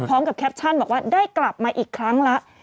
พร้อมกับแคปชั่นบอกว่าได้กลับมาอีกครั้งละ